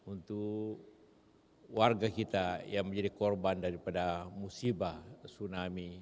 untuk warga kita yang menjadi korban daripada musibah tsunami